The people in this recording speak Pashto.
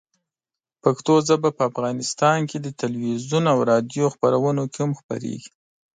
پښتو ژبه په افغانستان کې د تلویزیون او راډیو خپرونو کې هم خپرېږي.